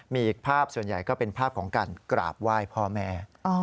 มีอีกภาพส่วนใหญ่ก็เป็นภาพของการกราบไหว้พ่อแม่